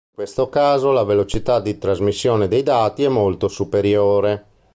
In questo caso la velocità di trasmissione dei dati è molto superiore.